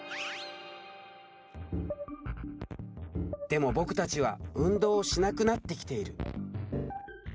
でも僕たちは運動をしなくなってきている。